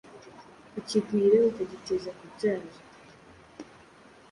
kukigwira bakagiteza kubyara.